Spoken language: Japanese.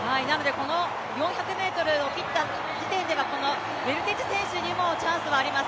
この４００ｍを切った時点ではウェルテジ選手にもチャンスはあります。